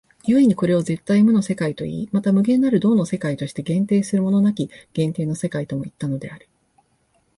故にこれを絶対無の世界といい、また無限なる動の世界として限定するものなき限定の世界ともいったのである。